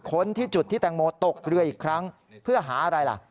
้นที่จุดที่แตงโมตกเรืออีกครั้งเพื่อหาอะไรล่ะ